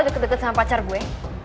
deket deket sama pacar gue